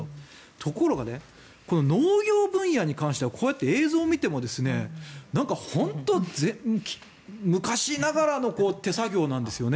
ところが農業分野に関してはこうやって映像を見ても本当に昔ながらの手作業なんですよね。